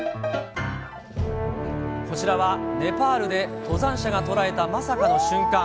こちらはネパールで登山者が捉えたまさかの瞬間。